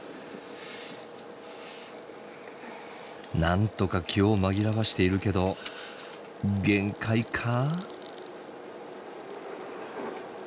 なんとか気を紛らわしているけど限界か？